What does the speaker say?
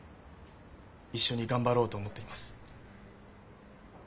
一緒に頑張ろうと思っています。